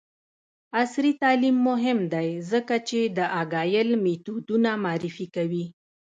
عصري تعلیم مهم دی ځکه چې د اګایل میتودونه معرفي کوي.